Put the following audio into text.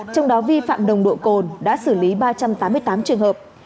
trong đó vi phạm nồng độ cồn đã xử lý ba trăm tám mươi tám trường hợp